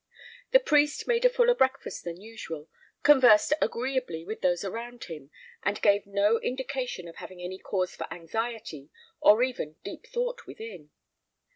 The priest made a fuller breakfast than usual, conversed agreeably with those around him, and gave no indication of having any cause for anxiety or even deep thought within.